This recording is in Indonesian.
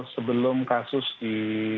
sebelum kasus di